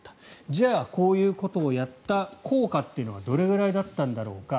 じゃあ、こういうことをやった効果というのはどれくらいだったんだろうか。